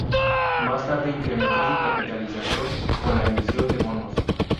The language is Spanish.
Más tarde, incrementó su capitalización con la emisión de bonos.